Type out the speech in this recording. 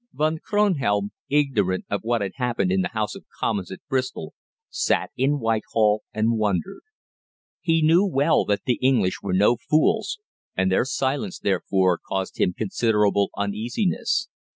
Von Kronhelm, ignorant of what had occurred in the House of Commons at Bristol, sat in Whitehall and wondered. He knew well that the English were no fools, and their silence, therefore, caused him considerable uneasiness.